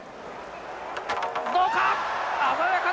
どうか？